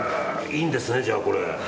いいんですね、じゃあこれ。